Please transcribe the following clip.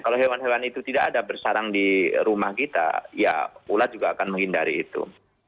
kalau hewan hewan itu tidak ada bersarang di rumah kita ya ulat juga akan menghindari itu